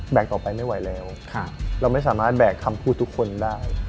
ต่อไปไม่ไหวแล้วเราไม่สามารถแบกคำพูดทุกคนได้